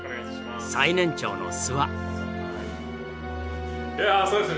最年長の諏訪。